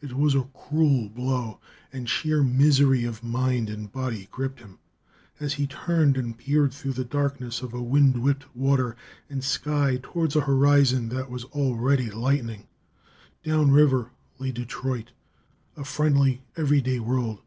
It was a cruel blow, and sheer misery of mind and body gripped him as he turned and peered through the darkness of wind whipped water and sky toward a horizon that was already lightening. Down river lay Detroit, a friendly, everyday world.